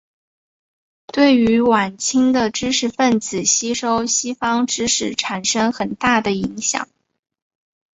对于晚清的知识分子吸收西方知识产生很大的影响。